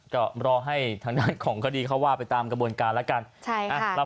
ก็รอให้ทางด้านของคดีเขาว่าไปตามกระบวนการแล้วกัน